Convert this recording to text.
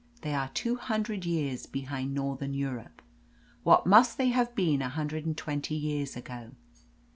They are two hundred years behind Northern Europe. What must they have been a hundred and twenty years ago?